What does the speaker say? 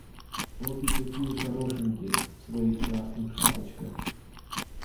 Обе такие хорошенькие в своих красных шапочках.